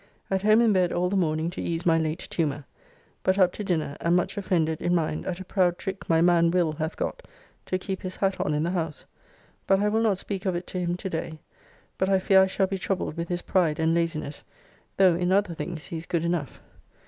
At home in bed all the morning to ease my late tumour, but up to dinner and much offended in mind at a proud trick my man Will hath got, to keep his hat on in the house, but I will not speak of it to him to day; but I fear I shall be troubled with his pride and laziness, though in other things he is good enough.